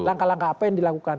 langkah langkah apa yang dilakukan